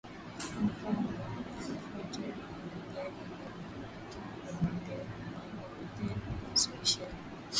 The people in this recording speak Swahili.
Mkwawa alifuata dini za jadi na alikataa ombi la Walutheri la kuanzisha misheni